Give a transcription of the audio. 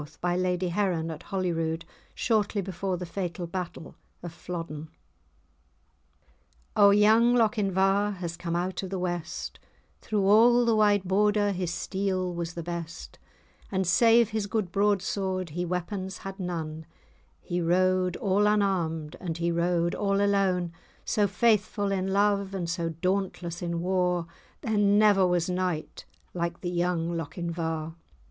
by Lady Heron at Holyrood shortly before the fatal battle of Flodden. O young Lochinvar has come out of the west, Through all the wide border his steel was the best; And save his good broadsword, he weapons had none, He rode all unarmed, and he rode all alone, So faithful in love, and so dauntless in war, There never was knight like the young Lochinvar.